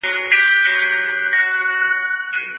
که موږ خپل مکتب سره مینه ولرو، نو زده کړه به آسانه وي.